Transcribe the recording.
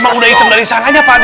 emang udah hitam dari sananya pak d